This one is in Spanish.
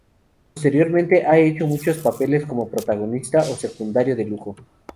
Posteriormente ha hecho muchos papeles como protagonista o secundario de lujo.